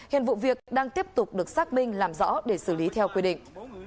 hiện vụ việc đang tiếp tục được xác minh làm rõ để xử lý theo quy định